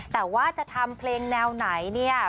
แต่ว่าเพลงของคุณจะทำแนวไหน